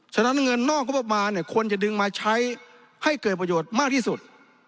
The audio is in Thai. ฉะนั้นเงินนอกงบประมาณเนี่ยควรจะดึงมาใช้ให้เกิดประโยชน์มากที่สุด